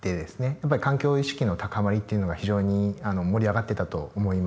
やっぱり環境意識の高まりっていうのが非常に盛り上がってたと思います。